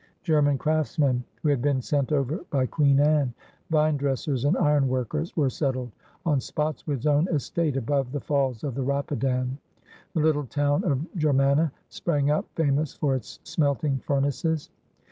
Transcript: German craftsmen, who had been sent over by Queen Anne — ^vine dressers and ironworkers — were settled on Spotswood's own estate above the falls of the Rapidan« The little town of Germanna sprang up, famous for its smelting furnaces.